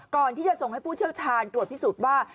ก่อนที่จะส่งให้ผู้เชี่ยวชาญตรวจพิสูจน์ว่า